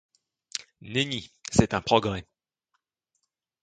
Nenni, c’est un progrès.